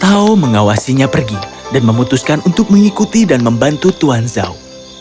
atau mengawasinya pergi dan memutuskan untuk mengikuti dan membantu tuan zhao